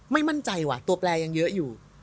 ไม่มั่นใจว่ะตัวแปลยังเยอะอยู่